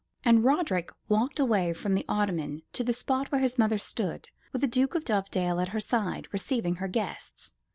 And Roderick walked away from the ottoman to the spot where his mother stood, with the Duke of Dovedale at her side, receiving her guests.